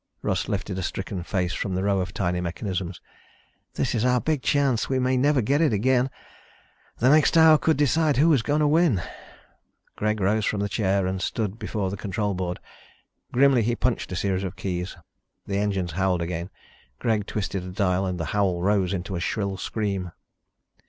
Russ lifted a stricken face from the row of tiny mechanisms. "This is our big chance. We may never get it again. The next hour could decide who is going to win." Greg rose from the chair and stood before the control board. Grimly he punched a series of keys. The engines howled again. Greg twisted a dial and the howl rose into a shrill scream.